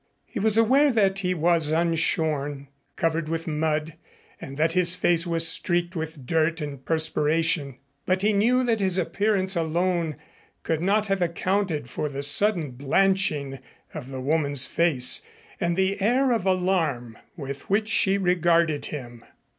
He was aware that he was unshorn, covered with mud, and that his face was streaked with dirt and perspiration, but he knew that his appearance alone could not have accounted for the sudden blanching of the woman's face and the air of alarm with which she regarded him.